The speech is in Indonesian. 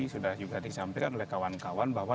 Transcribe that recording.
sudah juga disampaikan oleh kawan kawan bahwa